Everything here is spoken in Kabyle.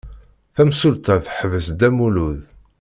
Tamsulta teḥbes Dda Lmulud.